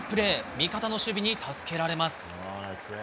味方の守備に助けられます。